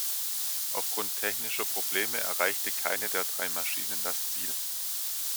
Aufgrund technischer Probleme erreichte keine der drei Maschinen das Ziel.